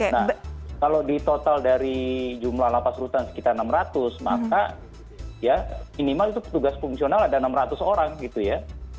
nah kalau di total dari jumlah lapas rutan sekitar enam ratus maka ya minimal itu petugas fungsional ada enam ratus orang gitu ya